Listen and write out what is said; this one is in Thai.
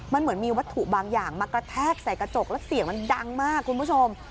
มันเหมือนมีวัตถุบางอย่างมากระแทกใส่กระจกแล้วเสียงมันดังมากคุณผู้ชม